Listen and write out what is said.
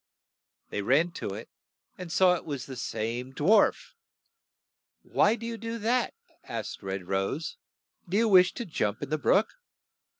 They ran to it, and saw it s* ^) was the same dwarf. 'Why ' yF ^ do you do that?'" asked Red Rose. "Do you wish to jump in the brook